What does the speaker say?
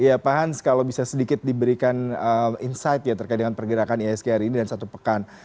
iya pak hans kalau bisa sedikit diberikan insight ya terkait dengan pergerakan ihsg hari ini dan satu pekan